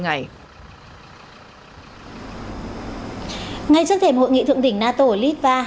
ngay trước thềm hội nghị thượng đỉnh nato ở litva